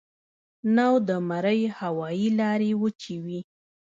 نو د مرۍ هوائي لارې وچې وي